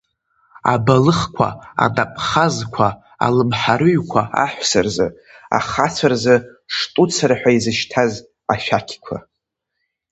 Абалыхқәа, анапхазқәа, алымҳарыҩқәа аҳәса рзы, ахацәа рзы штуцер ҳәа изышьҭаз ашәақьқәа.